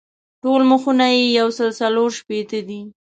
ټول مخونه یې یو سل څلور شپېته دي.